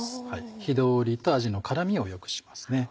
火通りと味の絡みをよくしますね。